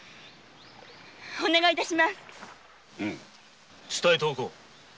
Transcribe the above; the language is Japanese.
うん伝えておこう。